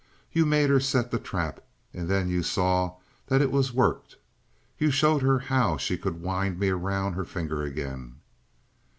You made her set the trap and then you saw that it was worked. You showed her how she could wind me around her finger again."